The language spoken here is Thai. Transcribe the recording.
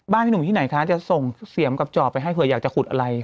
พี่หนุ่มที่ไหนคะจะส่งเสียมกับจอบไปให้เผื่ออยากจะขุดอะไร